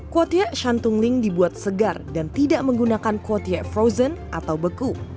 kuotie shantung ling dibuat segar dan tidak menggunakan kuotie frozen atau beku